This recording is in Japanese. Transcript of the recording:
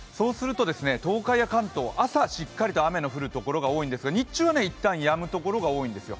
東海や関東、朝しっかりと雨の降るところが多いんですが日中は一旦やむところが多いんですよ。